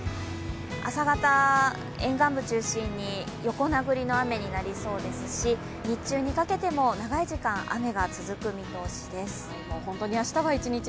朝方、沿岸部中心に横殴りの雨になりそうですし、日中にかけても長い時間、雨が続く見通しです。